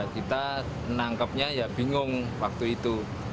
kita menangkapnya ya bingung waktu itu